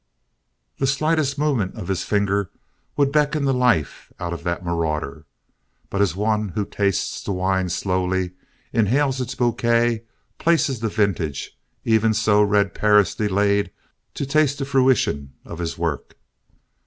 The slightest movement of his finger would beckon the life out of that marauder, but as one who tastes the wine slowly, inhales its bouquet, places the vintage, even so Red Perris delayed to taste the fruition of his work.